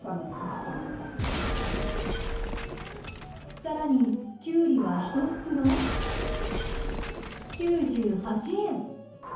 更に、キュウリはひと袋９８円。